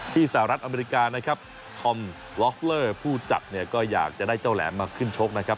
สหรัฐอเมริกานะครับทอมลอฟเลอร์ผู้จัดเนี่ยก็อยากจะได้เจ้าแหลมมาขึ้นชกนะครับ